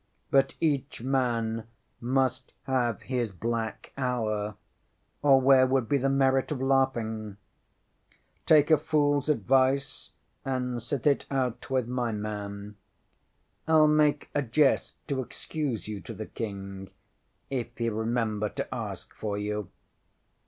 ŌĆ£But each man must have his black hour or where would be the merit of laughing? Take a foolŌĆÖs advice, and sit it out with my man. IŌĆÖll make a jest to excuse you to the King if he remember to ask for you.